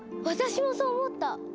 私もそう思った！